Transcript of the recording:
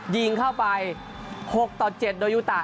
ยิงเข้าไป๖ต่อ๗โดยยูตะ